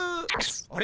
あれ？